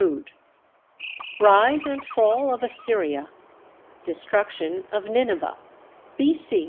] RISE AND FALL OF ASSYRIA DESTRUCTION OF NINEVEH B.C.